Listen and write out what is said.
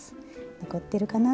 残ってるかな？